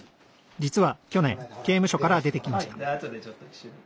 実は去年刑務所から出てきました。